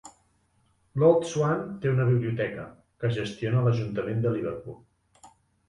L'Old Swan té una biblioteca, que gestiona l'ajuntament de Liverpool.